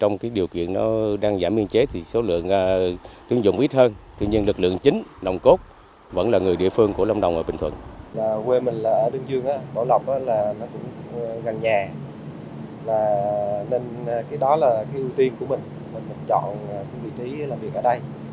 gần nhà nên cái đó là cái ưu tiên của mình mình chọn cái vị trí làm việc ở đây